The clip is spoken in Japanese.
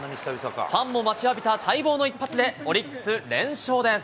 ファンも待ちわびた待望の一発でオリックス、連勝です。